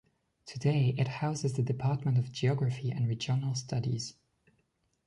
Today it houses the Department of Geography and Regional Studies.